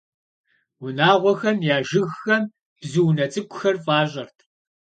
Унагъуэхэм я жыгхэм бзу унэ цӀыкӀухэр фӀащӀэрт.